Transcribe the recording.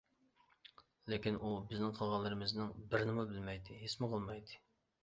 لېكىن ئۇ بىزنىڭ قىلغانلىرىمىزنىڭ بىرىنىمۇ بىلمەيتتى، ھېسمۇ قىلمايتتى.